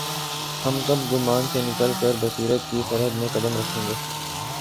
ہم کب گمان سے نکل کربصیرت کی سرحد میں قدم رکھیں گے؟